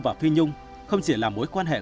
và phi nhung không chỉ là mối quan hệ